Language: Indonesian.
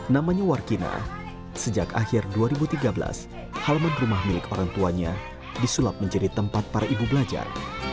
namanya warkina sejak akhir dua ribu tiga belas halaman rumah milik orang tuanya disulap menjadi tempat para ibu belajar